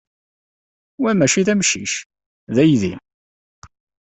Wa maci d amcic. D aydi.